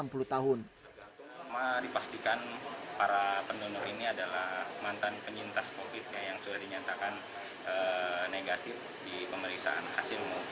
pertama dipastikan para pendonor ini adalah mantan penyintas covid yang sudah dinyatakan negatif di pemeriksaan hasil